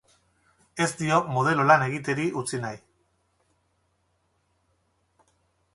Ez dio modelo lan egiteri utzi nahi.